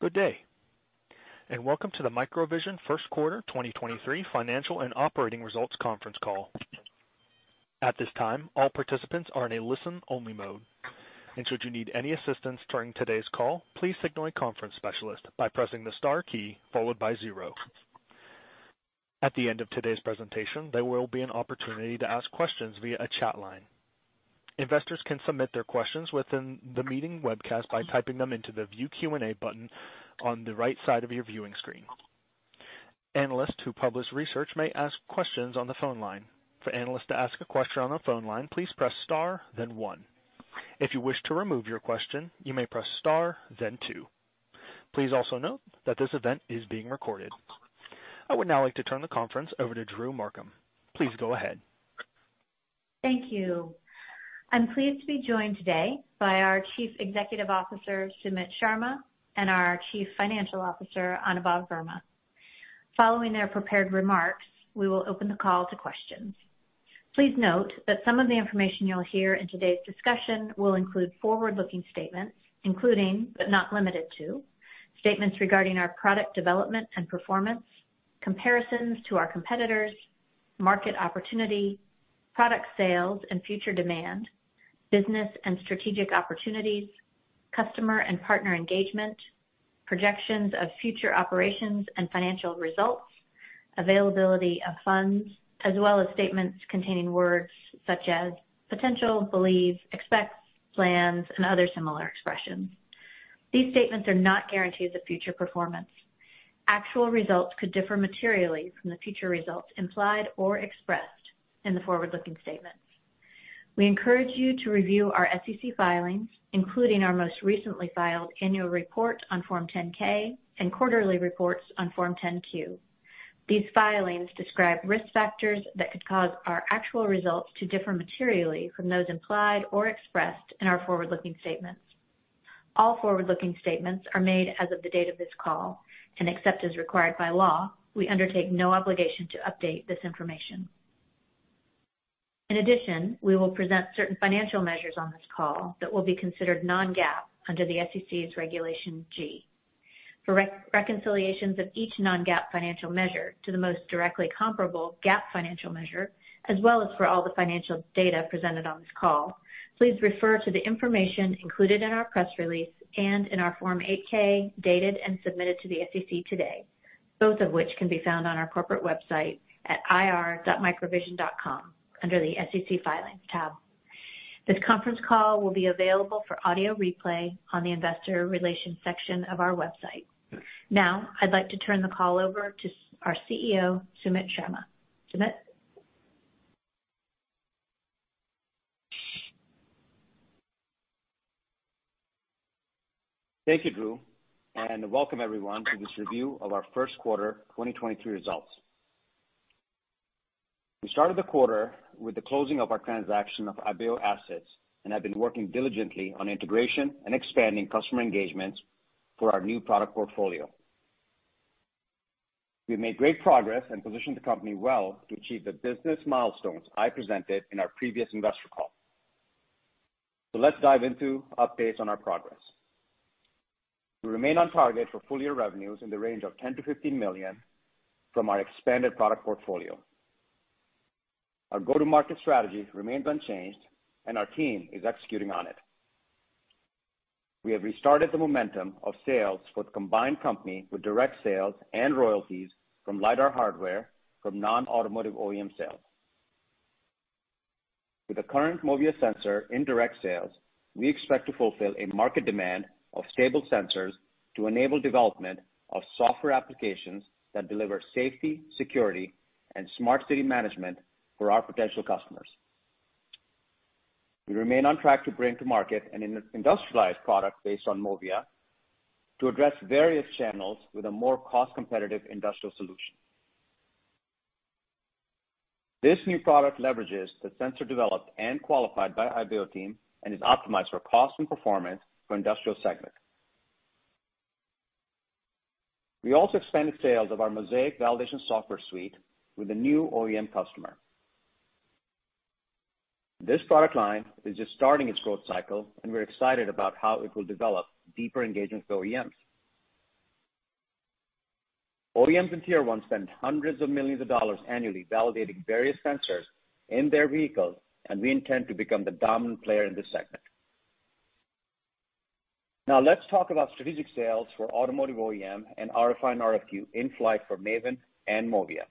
Good day. Welcome to the MicroVision first quarter 2023 financial and operating results conference call. At this time, all participants are in a listen-only mode. Should you need any assistance during today's call, please signal a conference specialist by pressing the star key followed by zero. At the end of today's presentation, there will be an opportunity to ask questions via a chat line. Investors can submit their questions within the meeting webcast by typing them into the View Q&A button on the right side of your viewing screen. Analysts who publish research may ask questions on the phone line. For analysts to ask a question on the phone line, please press star, then one. If you wish to remove your question, you may press star, then two. Please also note that this event is being recorded. I would now like to turn the conference over to Drew Markham. Please go ahead. Thank you. I'm pleased to be joined today by our Chief Executive Officer, Sumit Sharma, and our Chief Financial Officer, Anubhav Verma. Following their prepared remarks, we will open the call to questions. Please note that some of the information you'll hear in today's discussion will include forward-looking statements, including, but not limited to, statements regarding our product development and performance, comparisons to our competitors, market opportunity, product sales and future demand, business and strategic opportunities, customer and partner engagement, projections of future operations and financial results, availability of funds, as well as statements containing words such as potential, believe, expect, plans, and other similar expressions. These statements are not guarantees of future performance. Actual results could differ materially from the future results implied or expressed in the forward-looking statements. We encourage you to review our SEC filings, including our most recently filed annual report on Form 10-K and quarterly reports on Form 10-Q. These filings describe risk factors that could cause our actual results to differ materially from those implied or expressed in our forward-looking statements. All forward-looking statements are made as of the date of this call. Except as required by law, we undertake no obligation to update this information. In addition, we will present certain financial measures on this call that will be considered non-GAAP under the SEC's Regulation G. For reconciliations of each non-GAAP financial measure to the most directly comparable GAAP financial measure, as well as for all the financial data presented on this call, please refer to the information included in our press release and in our Form 8-K dated and submitted to the SEC today, both of which can be found on our corporate website at ir.microvision.com, under the SEC Filings tab. This conference call will be available for audio replay on the investor relations section of our website. Now, I'd like to turn the call over to our CEO, Sumit Sharma. Sumit? Thank you, Drew. Welcome everyone to this review of our first quarter 2023 results. We started the quarter with the closing of our transaction of Ibeo assets and have been working diligently on integration and expanding customer engagements for our new product portfolio. We've made great progress and positioned the company well to achieve the business milestones I presented in our previous investor call. Let's dive into updates on our progress. We remain on target for full-year revenues in the range of $10 million-$15 million from our expanded product portfolio. Our go-to-market strategy remains unchanged and our team is executing on it. We have restarted the momentum of sales for the combined company with direct sales and royalties from LiDAR hardware from non-automotive OEM sales. With the current MOVIA sensor in direct sales, we expect to fulfill a market demand of stable sensors to enable development of software applications that deliver safety, security, and smart city management for our potential customers. We remain on track to bring to market an in-industrialized product based on MOVIA to address various channels with a more cost-competitive industrial solution. This new product leverages the sensor developed and qualified by Ibeo team and is optimized for cost and performance for industrial segment. We also expanded sales of our MOSAIK validation software suite with a new OEM customer. This product line is just starting its growth cycle, and we're excited about how it will develop deeper engagement with OEMs. OEMs in tier one spend $hundreds of millions of dollars annually validating various sensors in their vehicles. We intend to become the dominant player in this segment. Now let's talk about strategic sales for automotive OEM and RFI and RFQ in flight for MAVIN and MOVIA.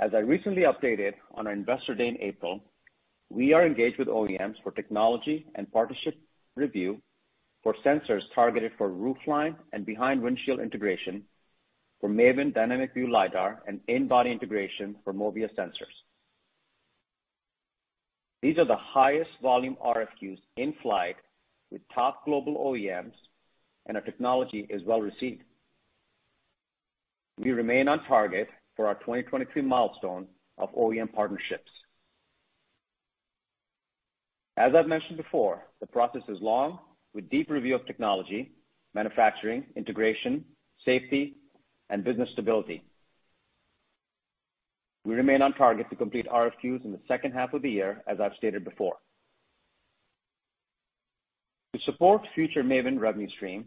As I recently updated on our Investor Day in April, we are engaged with OEMs for technology and partnership review for sensors targeted for roofline and behind windshield integration for MAVIN Dynamic View LiDAR and in-body integration for MOVIA sensors. These are the highest volume RFQs in flight with top global OEMs, and our technology is well received. We remain on target for our 2023 milestone of OEM partnerships. As I've mentioned before, the process is long, with deep review of technology, manufacturing, integration, safety, and business stability. We remain on target to complete RFQs in the second half of the year, as I've stated before. To support future MAVIN revenue stream,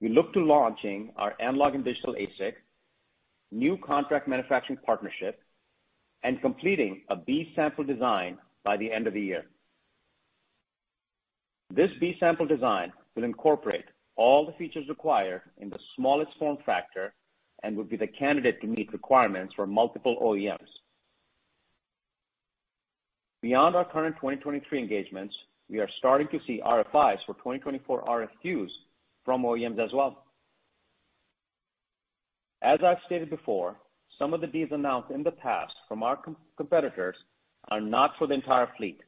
we look to launching our analog and digital ASIC, new contract manufacturing partnership, and completing a B sample design by the end of the year. This B sample design will incorporate all the features required in the smallest form factor and will be the candidate to meet requirements for multiple OEMs. Beyond our current 2023 engagements, we are starting to see RFIs for 2024 RFQs from OEMs as well. As I've stated before, some of the deals announced in the past from our competitors are not for the entire fleet.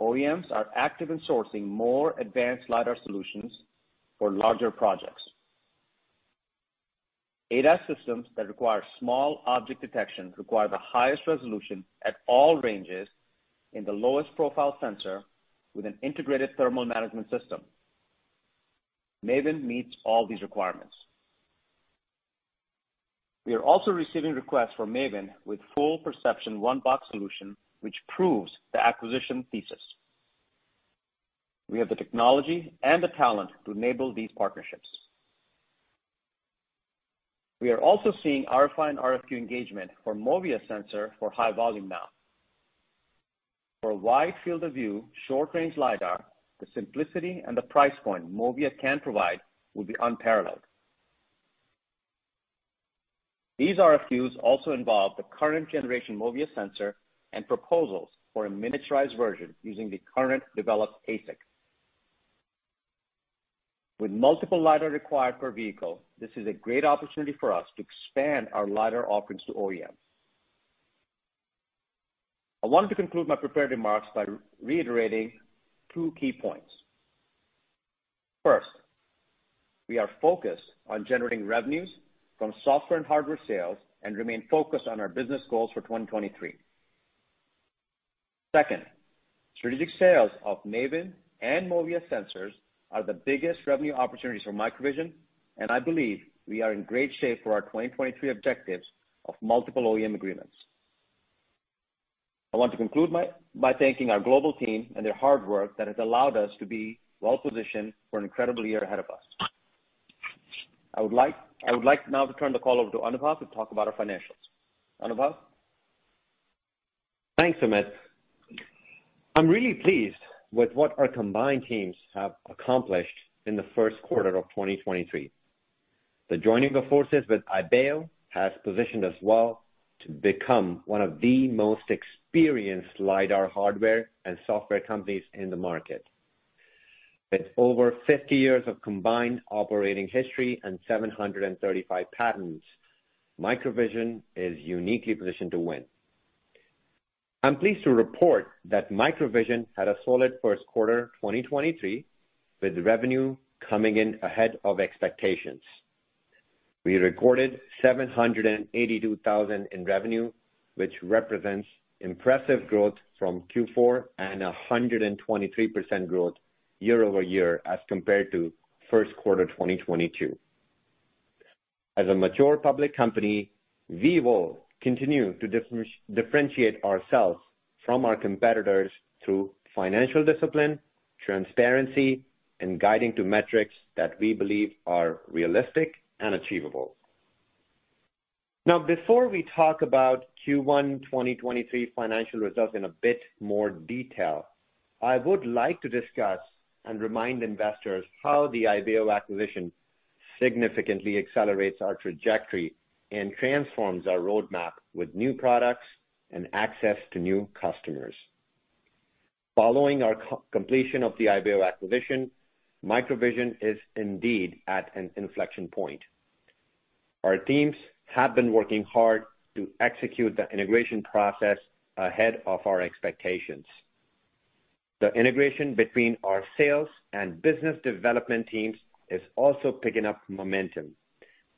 OEMs are active in sourcing more advanced LiDAR solutions for larger projects. ADAS systems that require small object detection require the highest resolution at all ranges in the lowest profile sensor with an integrated thermal management system. MAVIN meets all these requirements. We are also receiving requests for MAVIN with full perception one-box solution, which proves the acquisition thesis. We have the technology and the talent to enable these partnerships. We are also seeing RFI and RFQ engagement for MOVIA sensor for high volume now. For a wide field of view, short-range LiDAR, the simplicity and the price point MOVIA can provide will be unparalleled. These RFQs also involve the current generation MOVIA sensor and proposals for a miniaturized version using the current developed ASIC. With multiple LiDAR required per vehicle, this is a great opportunity for us to expand our LiDAR offerings to OEM. I wanted to conclude my prepared remarks by reiterating two key points. First, we are focused on generating revenues from software and hardware sales and remain focused on our business goals for 2023. Second, strategic sales of MAVIN and MOVIA sensors are the biggest revenue opportunities for MicroVision, and I believe we are in great shape for our 2023 objectives of multiple OEM agreements. I want to conclude my thanking our global team and their hard work that has allowed us to be well-positioned for an incredible year ahead of us. I would like now to turn the call over to Anubhav to talk about our financials. Anubhav? Thanks, Sumit. I'm really pleased with what our combined teams have accomplished in the first quarter 2023. The joining of forces with Ibeo has positioned us well to become one of the most experienced LiDAR hardware and software companies in the market. With over 50 years of combined operating history and 735 patents, MicroVision is uniquely positioned to win. I'm pleased to report that MicroVision had a solid first quarter 2023, with revenue coming in ahead of expectations. We recorded $782,000 in revenue, which represents impressive growth from Q4 and 123% growth year-over-year as compared to first quarter 2022. As a mature public company, we will continue to differentiate ourselves from our competitors through financial discipline, transparency, and guiding to metrics that we believe are realistic and achievable. Before we talk about Q1 2023 financial results in a bit more detail, I would like to discuss and remind investors how the Ibeo acquisition significantly accelerates our trajectory and transforms our roadmap with new products and access to new customers. Following our co-completion of the Ibeo acquisition, MicroVision is indeed at an inflection point. Our teams have been working hard to execute the integration process ahead of our expectations. The integration between our sales and business development teams is also picking up momentum,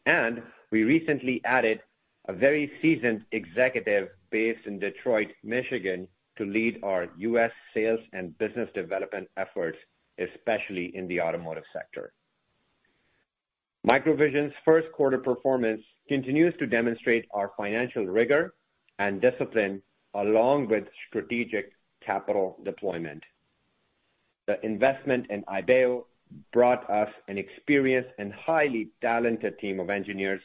and we recently added a very seasoned executive based in Detroit, Michigan, to lead our U.S. sales and business development efforts, especially in the automotive sector. MicroVision's first quarter performance continues to demonstrate our financial rigor and discipline along with strategic capital deployment. The investment in Ibeo brought us an experienced and highly talented team of engineers,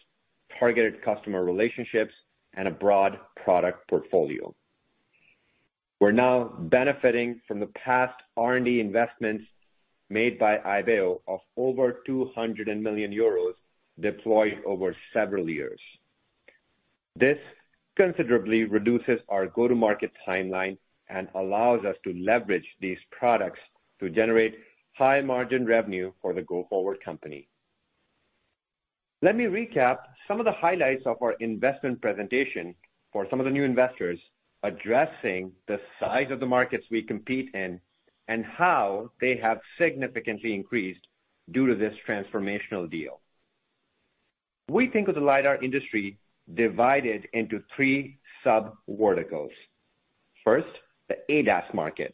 targeted customer relationships, and a broad product portfolio. We're now benefiting from the past R&D investments made by Ibeo of over 200 million euros deployed over several years. This considerably reduces our go-to-market timeline and allows us to leverage these products to generate high-margin revenue for the go-forward company. Let me recap some of the highlights of our investment presentation for some of the new investors addressing the size of the markets we compete in and how they have significantly increased due to this transformational deal. We think of the LiDAR industry divided into three sub-verticals. First, the ADAS market.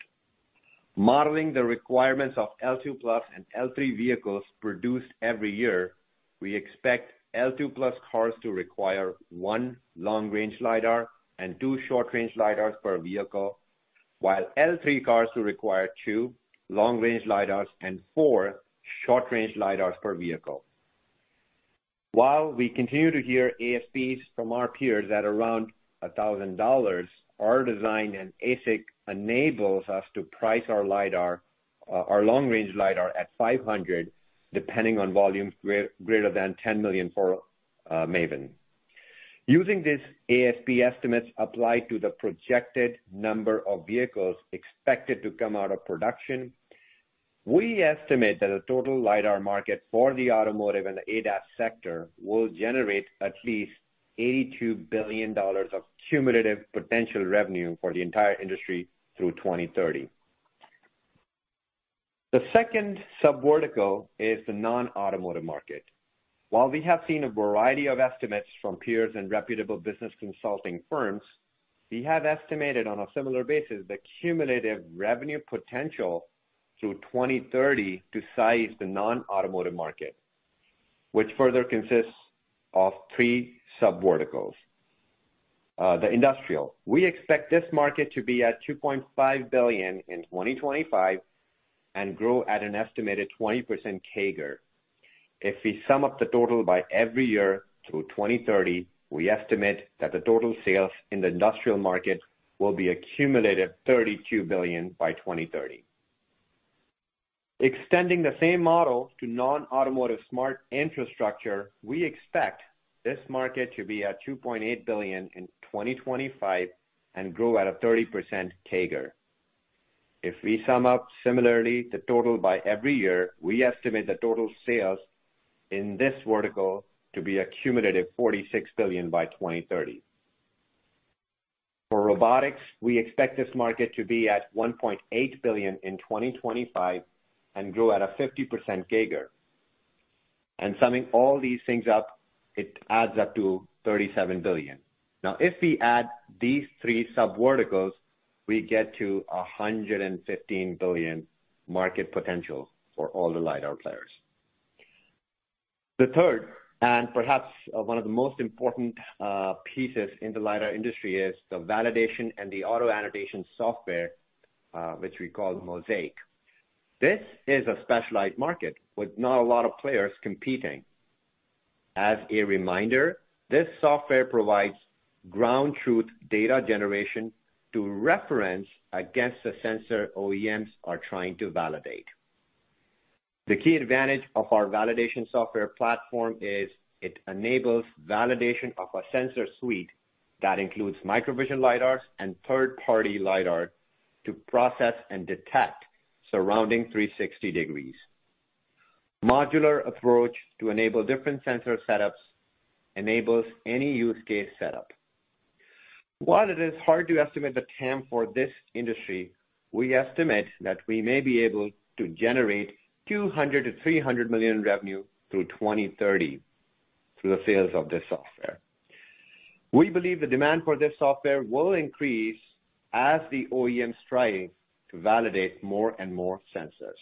Modeling the requirements of L2+ and L3 vehicles produced every year, we expect L2+ cars to require one long-range LiDAR and two short-rangeLiDARs per vehicle, while L3 cars to require two long-range LiDARs and four short-range LiDARs per vehicle. While we continue to hear ASPs from our peers at around $1,000, our design and ASIC enables us to price our LiDAR, our long-range LiDAR at $500, depending on volumes greater than 10 million for MAVIN. Using these ASP estimates applied to the projected number of vehicles expected to come out of production, we estimate that the total LiDAR market for the automotive and ADAS sector will generate at least $82 billion of cumulative potential revenue for the entire industry through 2030. The second sub-vertical is the non-automotive market. While we have seen a variety of estimates from peers and reputable business consulting firms, we have estimated on a similar basis the cumulative revenue potential through 2030 to size the non-automotive market, which further consists of three sub-verticals. The industrial. We expect this market to be at $2.5 billion in 2025 and grow at an estimated 20% CAGR. If we sum up the total by every year through 2030, we estimate that the total sales in the industrial market will be a cumulative $32 billion by 2030. Extending the same model to non-automotive smart infrastructure, we expect this market to be at $2.8 billion in 2025 and grow at a 30% CAGR. If we sum up similarly the total by every year, we estimate the total sales in this vertical to be a cumulative $46 billion by 2030. For robotics, we expect this market to be at $1.8 billion in 2025 and grow at a 50% CAGR. Summing all these things up, it adds up to $37 billion. Now, if we add these three sub-verticals, we get to a $115 billion market potential for all the LiDAR players. The third, and perhaps one of the most important, pieces in the LiDAR industry, is the validation and the auto annotation software, which we call MOSAIK. This is a specialized market with not a lot of players competing. As a reminder, this software provides ground truth data generation to reference against the sensor OEMs are trying to validate. The key advantage of our validation software platform is it enables validation of a sensor suite that includes MicroVision LiDARs and third-party LiDAR to process and detect surrounding 360 degrees. Modular approach to enable different sensor setups enables any use case setup. While it is hard to estimate the TAM for this industry, we estimate that we may be able to generate $200 million-$300 million in revenue through 2030 through the sales of this software. We believe the demand for this software will increase as the OEM strive to validate more and more sensors.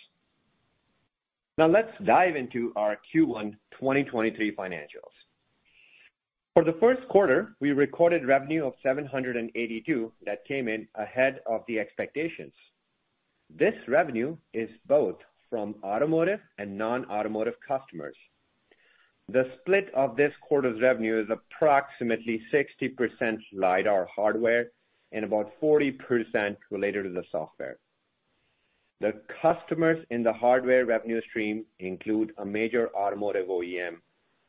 Let's dive into our Q1 2023 financials. For the first quarter, we recorded revenue of $782 that came in ahead of the expectations. This revenue is both from automotive and non-automotive customers. The split of this quarter's revenue is approximately 60% LiDAR hardware and about 40% related to the software. The customers in the hardware revenue stream include a major automotive OEM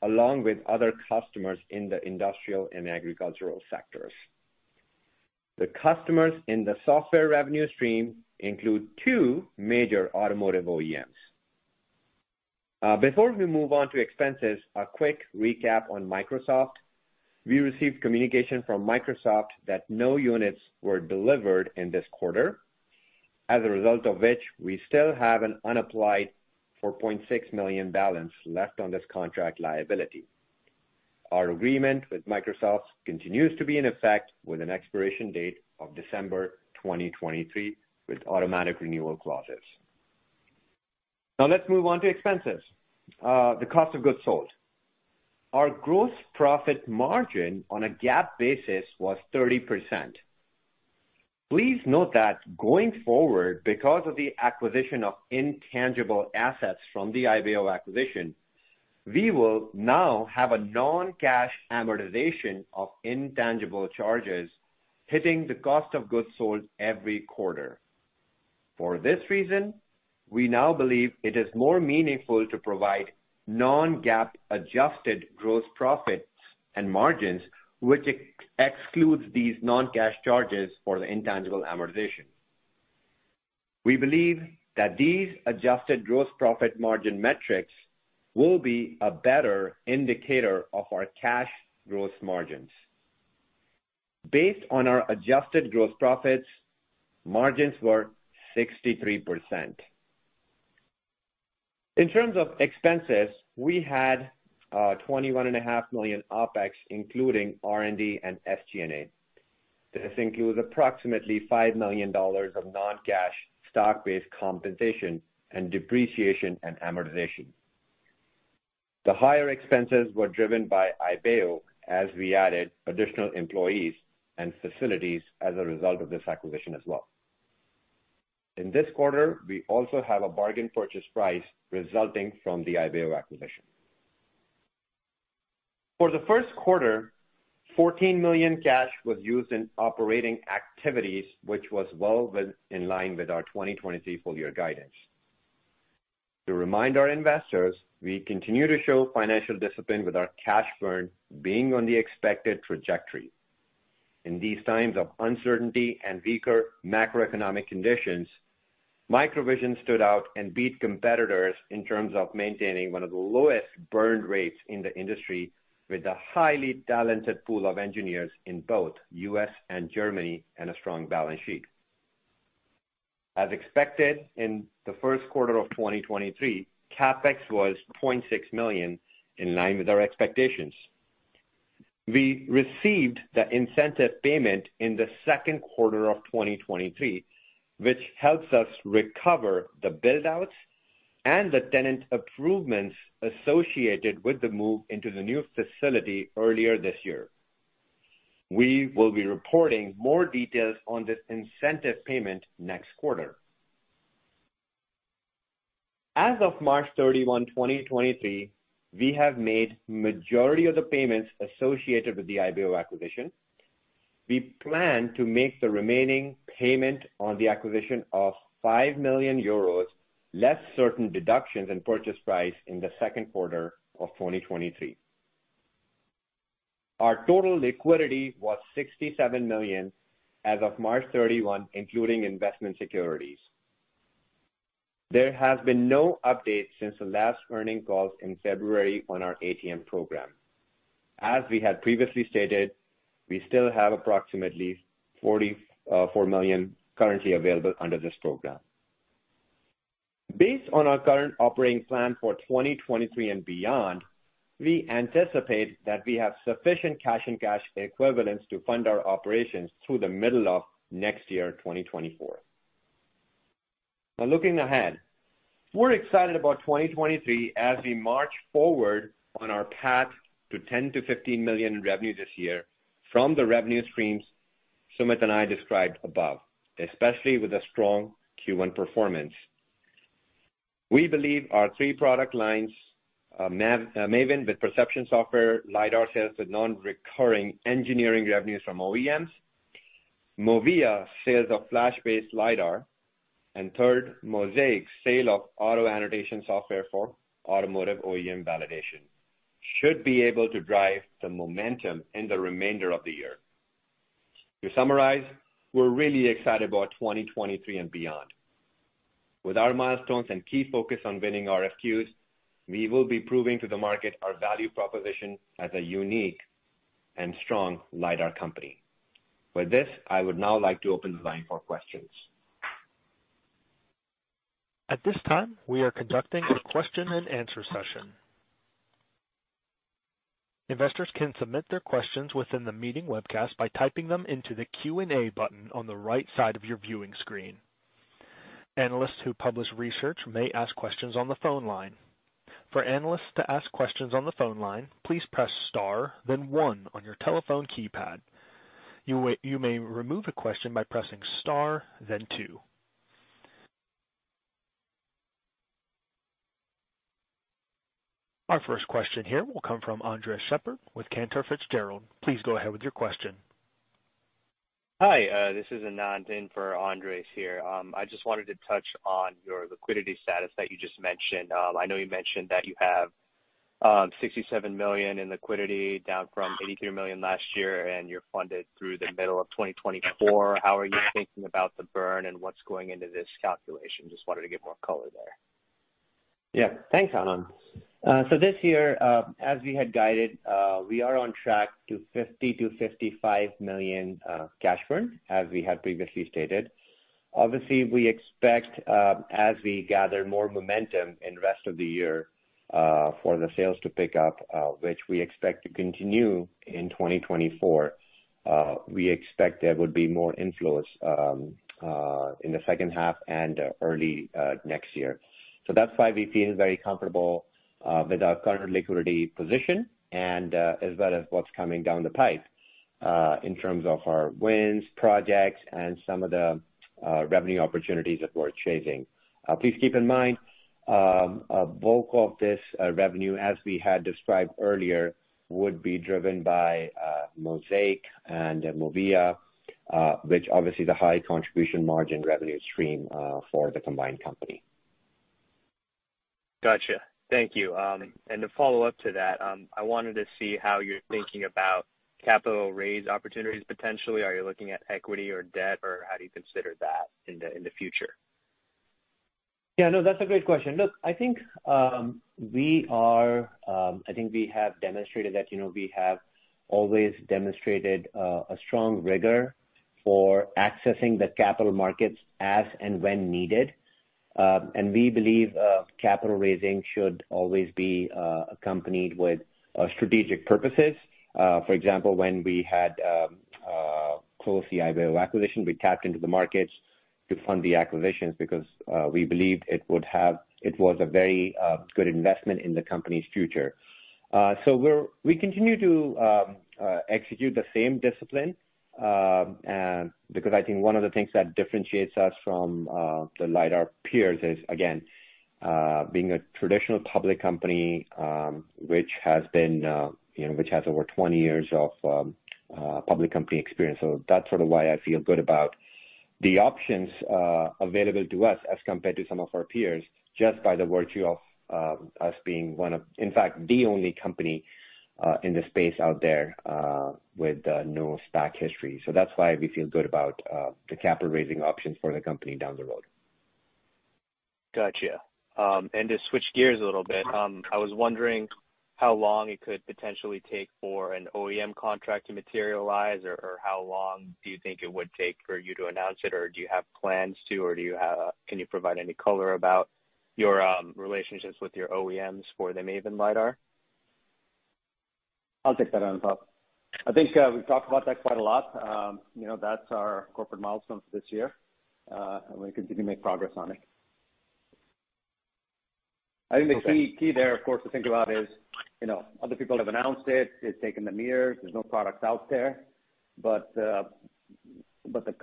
along with other customers in the industrial and agricultural sectors. The customers in the software revenue stream include two major automotive OEMs. Before we move on to expenses, a quick recap on Microsoft. We received communication from Microsoft that no units were delivered in this quarter. As a result of which, we still have an unapplied $4.6 million balance left on this contract liability. Our agreement with Microsoft continues to be in effect with an expiration date of December 2023, with automatic renewal clauses. Let's move on to expenses. The cost of goods sold. Our gross profit margin on a GAAP basis was 30%. Please note that going forward, because of the acquisition of intangible assets from the Ibeo acquisition, we will now have a non-cash amortization of intangible charges hitting the cost of goods sold every quarter. For this reason, we now believe it is more meaningful to provide non-GAAP adjusted gross profits and margins, which excludes these non-cash charges for the intangible amortization. We believe that these adjusted gross profit margin metrics will be a better indicator of our cash gross margins. Based on our adjusted gross profits, margins were 63%. In terms of expenses, we had $21.5 million OpEx, including R&D and SG&A. I think it was approximately $5 million of non-cash stock-based compensation and depreciation and amortization. The higher expenses were driven by Ibeo as we added additional employees and facilities as a result of this acquisition as well. In this quarter, we also have a bargain purchase price resulting from the Ibeo acquisition. For the first quarter, $14 million cash was used in operating activities, which was well in line with our 2023 full year guidance. To remind our investors, we continue to show financial discipline with our cash burn being on the expected trajectory. In these times of uncertainty and weaker macroeconomic conditions, MicroVision stood out and beat competitors in terms of maintaining one of the lowest burn rates in the industry with a highly talented pool of engineers in both U.S. and Germany and a strong balance sheet. As expected, in the first quarter of 2023, CapEx was $0.6 million in line with our expectations. We received the incentive payment in the second quarter of 2023, which helps us recover the build-outs and the tenant improvements associated with the move into the new facility earlier this year. We will be reporting more details on this incentive payment next quarter. As of March 31, 2023, we have made majority of the payments associated with the Ibeo acquisition. We plan to make the remaining payment on the acquisition of 5 million euros, less certain deductions and purchase price in the second quarter of 2023. Our total liquidity was $67 million as of March 31, including investment securities. There has been no updates since the last earning calls in February on our ATM program. As we had previously stated, we still have approximately $44 million currently available under this program. Based on our current operating plan for 2023 and beyond, we anticipate that we have sufficient cash and cash equivalents to fund our operations through the middle of next year, 2024. Now looking ahead, we're excited about 2023 as we march forward on our path to $10 million-$15 million in revenue this year from the revenue streams Sumit and I described above, especially with a strong Q1 performance. We believe our three product lines, MAVIN with perception software, LiDAR sales with non-recurring engineering revenues from OEMs, MOVIA sales of flash-based LiDAR, and third, MOSAIK sale of auto annotation software for automotive OEM validation, should be able to drive the momentum in the remainder of the year. To summarize, we're really excited about 2023 and beyond. With our milestones and key focus on winning RFQs, we will be proving to the market our value proposition as a unique and strong LiDAR company. With this, I would now like to open the line for questions. At this time, we are conducting a question and answer session. Investors can submit their questions within the meeting webcast by typing them into the Q&A button on the right side of your viewing screen. Analysts who publish research may ask questions on the phone line. For analysts to ask questions on the phone line, please press star, then one on your telephone keypad. You may remove a question by pressing star, then two. Our first question here will come from Andres Sheppard with Cantor Fitzgerald. Please go ahead with your question. Hi, this is Anand in for Andres here. I just wanted to touch on your liquidity status that you just mentioned. I know you mentioned that you have $67 million in liquidity down from $83 million last year, and you're funded through the middle of 2024. How are you thinking about the burn and what's going into this calculation? Just wanted to get more color there. Yeah. Thanks, Anand. This year, as we had guided, we are on track to $50 million-$55 million cash burn as we had previously stated. Obviously, we expect, as we gather more momentum in rest of the year, for the sales to pick up, which we expect to continue in 2024, we expect there would be more inflows in the second half and early next year. That's why we feel very comfortable with our current liquidity position and as well as what's coming down the pipe, in terms of our wins, projects and some of the revenue opportunities that we're chasing. Please keep in mind, bulk of this revenue, as we had described earlier, would be driven by MOSAIK and MOVIA, which obviously the high contribution margin revenue stream for the combined company. Gotcha. Thank you. To follow up to that, I wanted to see how you're thinking about capital raise opportunities potentially. Are you looking at equity or debt, or how do you consider that in the future? Yeah. No, that's a great question. Look, I think we have always demonstrated. For accessing the capital markets as and when needed. We believe capital raising should always be accompanied with strategic purposes. For example, when we had closed the Ibeo acquisition, we tapped into the markets to fund the acquisitions because we believed it was a very good investment in the company's future. We continue to execute the same discipline, because I think one of the things that differentiates us from the LiDAR peers is, again, being a traditional public company, which has been, you know, which has over 20 years of public company experience. That's sort of why I feel good about the options available to us as compared to some of our peers, just by the virtue of us being in fact, the only company in the space out there with no stock history. That's why we feel good about the capital raising options for the company down the road. Gotcha. To switch gears a little bit, I was wondering how long it could potentially take for an OEM contract to materialize or how long do you think it would take for you to announce it? Or do you have plans to, or can you provide any color about your relationships with your OEMs for the MAVIN LiDAR? I'll take that, Anubhav. I think, we've talked about that quite a lot. You know, that's our corporate milestones this year, and we continue to make progress on it. Okay. I think the key there, of course, to think about is, you know, other people have announced it. They've taken the mirrors. There's no products out there. The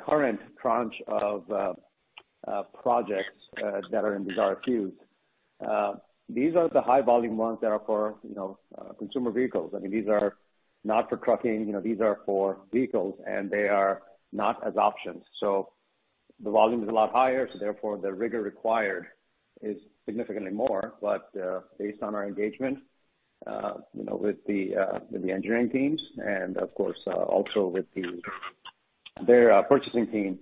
current tranche of projects that are in these RFQs, these are the high volume ones that are for, you know, consumer vehicles. I mean, these are not for trucking, you know, these are for vehicles, and they are not as options. The volume is a lot higher, so therefore the rigor required is significantly more. Based on our engagement, you know, with the engineering teams and of course, also with their purchasing team,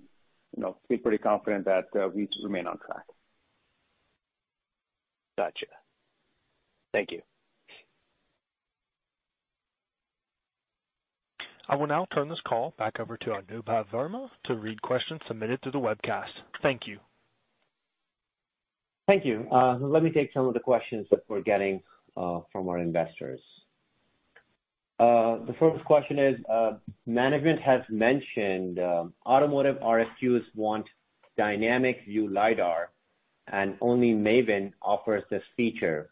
you know, feel pretty confident that we remain on track. Gotcha. Thank you. I will now turn this call back over to Anubhav Verma to read questions submitted through the webcast. Thank you. Thank you. Let me take some of the questions that we're getting from our investors. The first question is, management has mentioned, automotive RFQs want dynamic view LiDAR, only MAVIN offers this feature.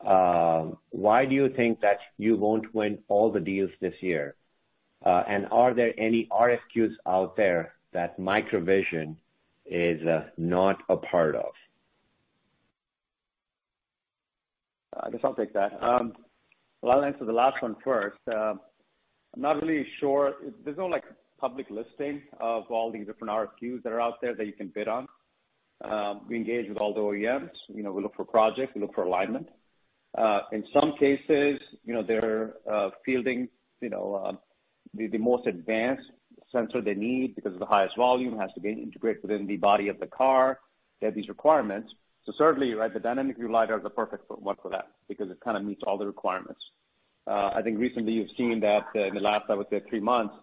Why do you think that you won't win all the deals this year? Are there any RFQs out there that MicroVision is not a part of? I guess I'll take that. Well, I'll answer the last one first. I'm not really sure. There's no, like, public listing of all these different RFQs that are out there that you can bid on. We engage with all the OEMs. You know, we look for projects, we look for alignment. In some cases, you know, they're fielding, you know, the most advanced sensor they need because of the highest volume, has to be integrated within the body of the car. They have these requirements. Certainly, right, the Dynamic View LiDAR is the perfect one for that because it kind of meets all the requirements. I think recently you've seen that, in the last, I would say three months,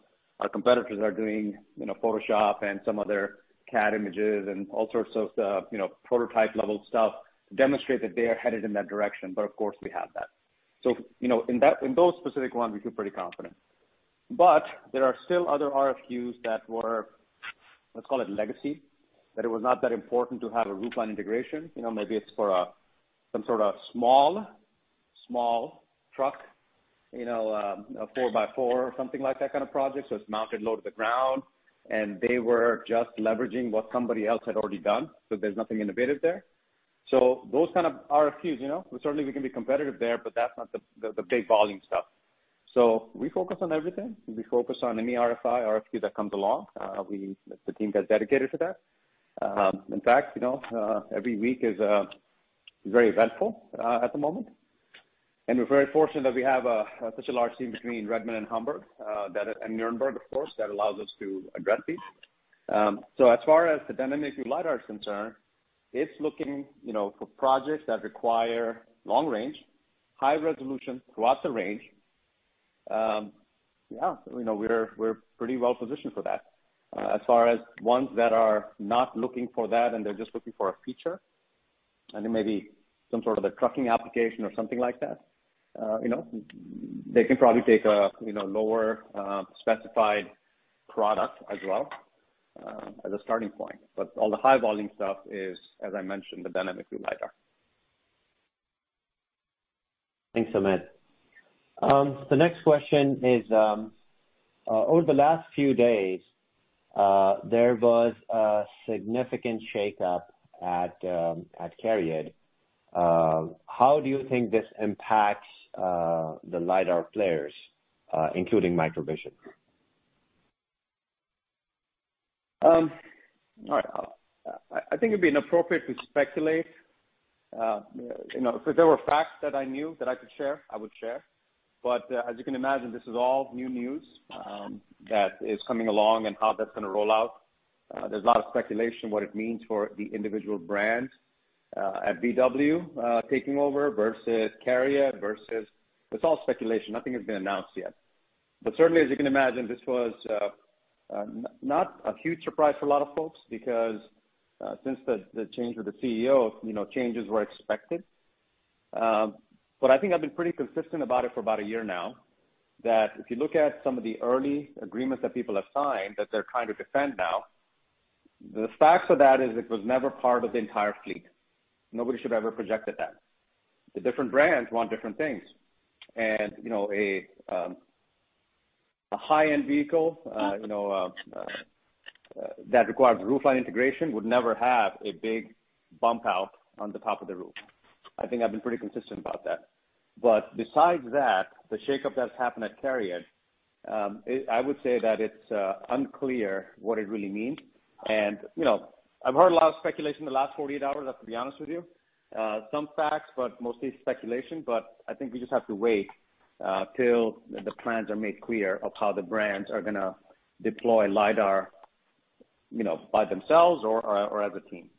our competitors are doing, you know, Photoshop and some other CAD images and all sorts of, you know, prototype level stuff to demonstrate that they are headed in that direction. Of course we have that. You know, in that, in those specific ones, we feel pretty confident. There are still other RFQs that were, let's call it legacy, that it was not that important to have a roofline integration. You know, maybe it's for a, some sort of small truck, you know, a four by four or something like that kind of project. It's mounted low to the ground, and they were just leveraging what somebody else had already done. There's nothing innovative there. Those kind of RFQs, you know, certainly we can be competitive there, but that's not the big volume stuff. We focus on everything. We focus on any RFI, RFQ that comes along. We, the team gets dedicated to that. In fact, you know, every week is very eventful at the moment. We're very fortunate that we have such a large team between Redmond and Hamburg, that is, and Nuremberg of course, that allows us to address these. As far as the dynamic view LiDAR is concerned, it's looking, you know, for projects that require long range, high resolution throughout the range. We know we're pretty well positioned for that. As far as ones that are not looking for that and they're just looking for a feature, and it may be some sort of a trucking application or something like that, you know, they can probably take a, you know, lower specified product as well as a starting point. All the high volume stuff is, as I mentioned, the dynamic view LiDAR. Thanks, Sumit. The next question is, over the last few days, there was a significant shakeup at CARIAD. How do you think this impacts the LiDAR players, including MicroVision? I think it'd be inappropriate to speculate. You know, if there were facts that I knew that I could share, I would share. As you can imagine, this is all new news that is coming along and how that's gonna roll out. There's a lot of speculation what it means for the individual brands, at VW, taking over versus CARIAD versus. It's all speculation. Nothing has been announced yet. Certainly, as you can imagine, this was not a huge surprise for a lot of folks because since the change with the CEO, you know, changes were expected. I think I've been pretty consistent about it for about a year now, that if you look at some of the early agreements that people have signed that they're trying to defend now, the facts of that is it was never part of the entire fleet. Nobody should have ever projected that. The different brands want different things. You know, a high-end vehicle, you know, that requires roofline integration would never have a big bump out on the top of the roof. I think I've been pretty consistent about that. Besides that, the shakeup that's happened at CARIAD, I would say that it's unclear what it really means. You know, I've heard a lot of speculation in the last 48 hours, I have to be honest with you. Some facts, but mostly speculation. I think we just have to wait, till the plans are made clear of how the brands are gonna deploy LiDAR, you know, by themselves or as a team.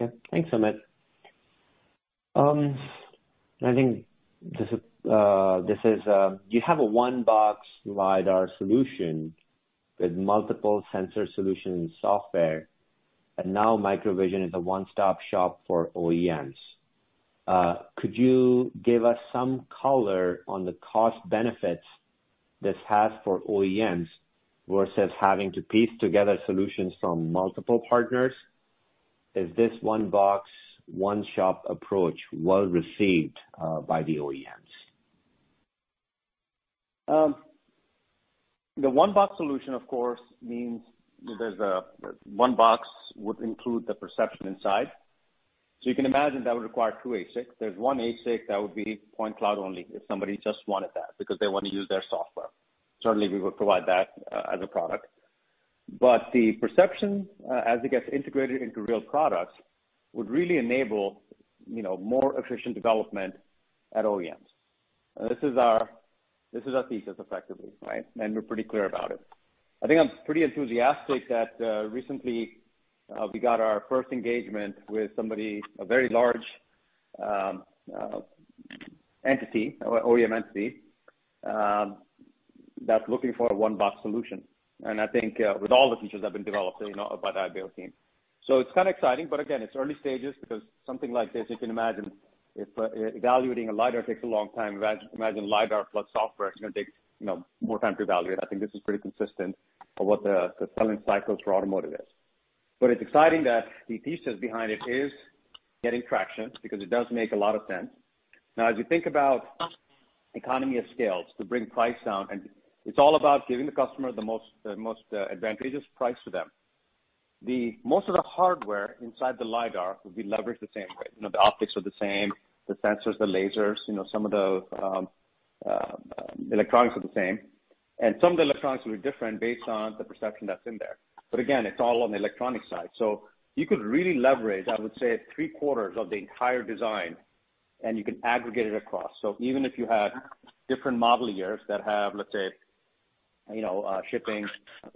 Okay. Thanks, Sumit. I think this is, you have a one box LiDAR solution with multiple sensor solutions software. Now MicroVision is a one-stop shop for OEMs. Could you give us some color on the cost benefits this has for OEMs versus having to piece together solutions from multiple partners? Is this one box, one shop approach well received by the OEMs? The one-box solution, of course, means there's a one-box would include the perception inside. You can imagine that would require two ASICs. There's one ASIC that would be point cloud only if somebody just wanted that because they wanna use their software. Certainly, we would provide that as a product. The perception, as it gets integrated into real products, would really enable, you know, more efficient development at OEMs. This is our, this is our thesis, effectively, right? We're pretty clear about it. I think I'm pretty enthusiastic that recently, we got our first engagement with somebody, a very large entity, OEM entity, that's looking for a one-box solution. I think, with all the features that have been developed, you know, by the Ibeo team. It's kind of exciting, but again, it's early stages because something like this, you can imagine if evaluating a LiDAR takes a long time. Imagine LiDAR plus software, it's going to take, you know, more time to evaluate. I think this is pretty consistent for what the selling cycles for automotive is. It's exciting that the pieces behind it is getting traction because it does make a lot of sense. Now, as you think about economy of scales to bring price down, and it's all about giving the customer the most advantageous price for them. Most of the hardware inside the LiDAR will be leveraged the same way. You know, the optics are the same, the sensors, the lasers, you know, some of the electronics are the same, and some of the electronics will be different based on the perception that's in there. Again, it's all on the electronic side. You could really leverage, I would say, three-quarters of the entire design, and you can aggregate it across. Even if you had different model years that have, let's say, you know, shipping a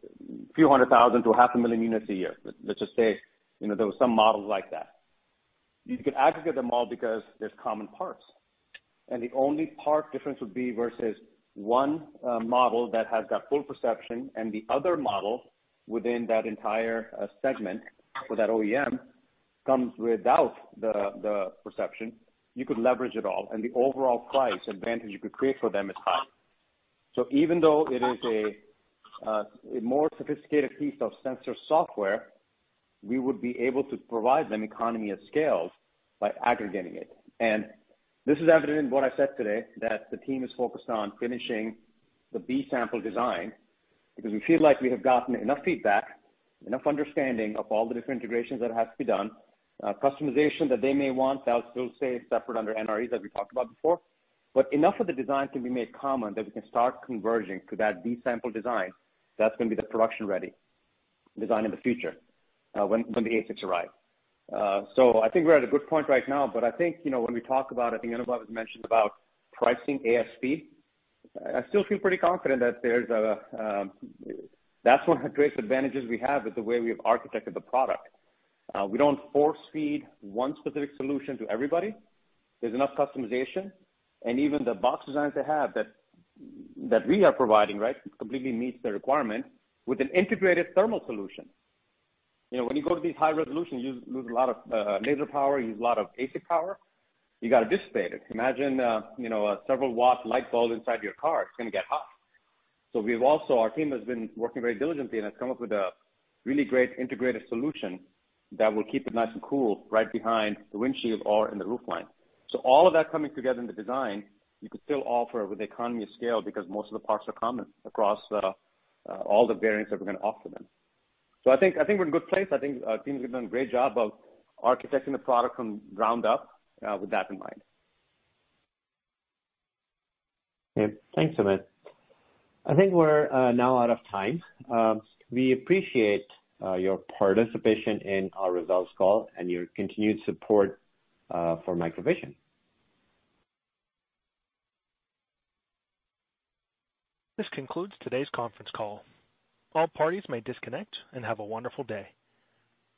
few hundred thousand to half a million units a year, let's just say, you know, there were some models like that. You can aggregate them all because there's common parts. The only part difference would be versus one model that has got full perception and the other model within that entire segment for that OEM comes without the perception. You could leverage it all, and the overall price advantage you could create for them is high. Even though it is a more sophisticated piece of sensor software, we would be able to provide them economy of scales by aggregating it. This is evident in what I said today, that the team is focused on finishing the B sample design because we feel like we have gotten enough feedback, enough understanding of all the different integrations that has to be done, customization that they may want. That will still stay separate under NREs that we talked about before. Enough of the design can be made common that we can start converging to that B sample design. That's gonna be the production-ready design in the future, when the ASICs arrive. I think we're at a good point right now, I think, you know, when we talk about, I think Anubhav has mentioned about pricing ASP. I still feel pretty confident that's one of the greatest advantages we have is the way we have architected the product. We don't force-feed one specific solution to everybody. There's enough customization. Even the box designs they have that we are providing, right, it completely meets the requirement with an integrated thermal solution. You know, when you go to these high resolutions, you use a lot of laser power, you use a lot of ASIC power. You got to dissipate it. Imagine, you know, a several watt light bulb inside your car, it's gonna get hot. Our team has been working very diligently and has come up with a really great integrated solution that will keep it nice and cool right behind the windshield or in the roofline. All of that coming together in the design, you could still offer with economy of scale because most of the parts are common across all the variants that we're gonna offer them. I think we're in a good place. I think teams have done a great job of architecting the product from ground up with that in mind. Okay. Thanks, Sumit. I think we're, now out of time. We appreciate, your participation in our results call and your continued support, for MicroVision. This concludes today's conference call. All parties may disconnect and have a wonderful day.